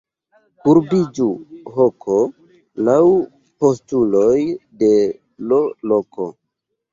Kurbiĝu hoko laŭ postuloj de l' loko.